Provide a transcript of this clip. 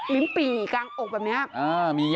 ลิ้นปี่กลางอกแบบนี้